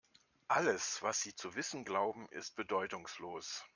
Alles, was Sie zu wissen glauben, ist bedeutungslos.